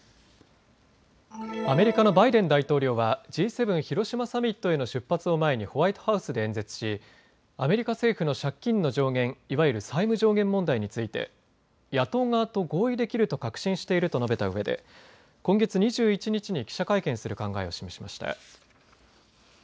アメリカのバイデン大統領はＧ７広島サミットへの出発を前にホワイトハウスで演説しアメリカ政府の借金の上限、いわゆる債務上限問題について野党側と合意できると確信していると述べたうえで今月２１日に記者会見する考えを示しました。